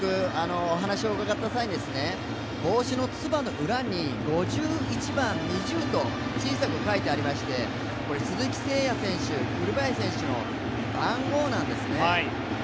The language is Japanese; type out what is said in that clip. お話を伺った際に帽子のつばの裏に５１番、２０番と小さく書いてありましてこれ、鈴木誠也選手栗林選手の番号なんですね。